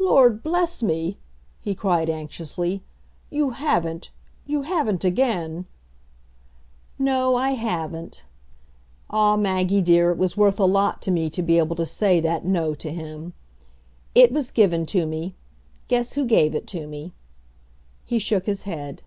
"Lord bless me!" he cried anxiously. "You haven't you haven't again " "No, I haven't." Ah, Maggie, dear, it was worth a lot to me to be able to say that "no" to him. "It was given to me. Guess who gave it to me." He shook his head.